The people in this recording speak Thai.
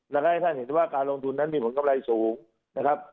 แล้วก็ให้ท่านเห็นว่าการลงทุนนั้นมีผลกำไรสูงนะครับ